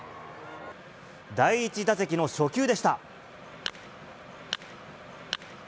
第１打席の初球でした。